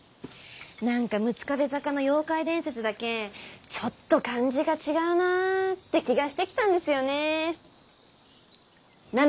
何か六壁坂の妖怪伝説だけちょっと感じが違うなァって気がしてきたんですよねェー。